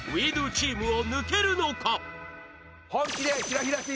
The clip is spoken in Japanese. チームを抜けるのか？